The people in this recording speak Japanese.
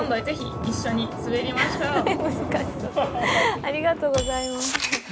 ありがとうございます。